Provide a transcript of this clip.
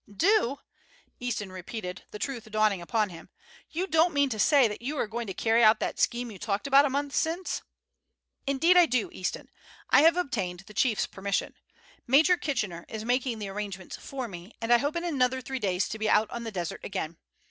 "Do!" Easton repeated, the truth dawning upon him. "You don't mean to say that you are going to carry out that scheme you talked about a month since?" "Indeed I do, Easton. I have obtained the chief's permission. Major Kitchener is making the arrangements for me, and I hope in another three days to be out on the desert again.